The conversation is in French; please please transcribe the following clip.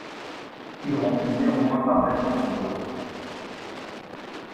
Il remplit néanmoins parfaitement son rôle.